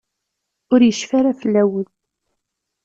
Ur yecfi ara fell-awen.